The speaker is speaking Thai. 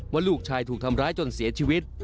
ว่าลูกชายถูกทำร้ายจนเสียชีวิต